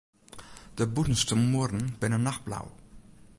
De bûtenste muorren binne nachtblau.